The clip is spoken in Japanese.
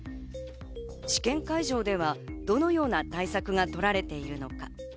試験会場では、どのような対策が取られているのか？